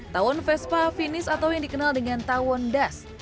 tawon vespa finish atau yang dikenal dengan tawon das